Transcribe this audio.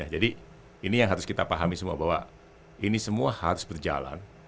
jadi ini yang harus kita pahami semua bahwa ini semua harus berjalan